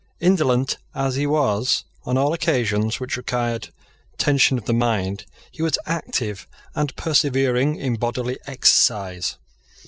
Indolent as he was on all occasions which required tension of the mind, he was active and persevering in bodily exercise.